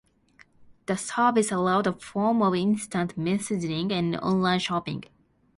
The service allowed a form of instant messaging and online shopping.